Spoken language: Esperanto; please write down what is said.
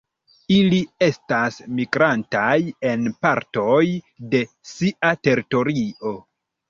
Ili estas migrantaj en partoj de sia teritorio.